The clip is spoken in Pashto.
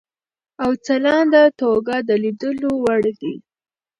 او ځلانده توګه د لیدلو وړ دی.